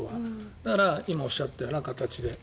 だから今、おっしゃったような形で。